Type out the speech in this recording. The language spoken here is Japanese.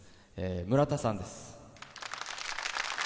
村田さんです。